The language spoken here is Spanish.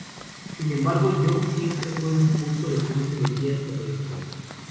Sin embargo Young siempre fue un punto de cruce de vías terrestres.